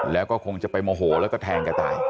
แล้วก็คงจะไปโมโหแล้วก็แทงแกตาย